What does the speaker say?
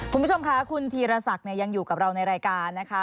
คุณผู้ชมค่ะคุณธีรศักดิ์ยังอยู่กับเราในรายการนะคะ